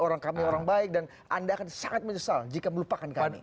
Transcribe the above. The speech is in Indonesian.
orang kami orang baik dan anda akan sangat menyesal jika melupakan kami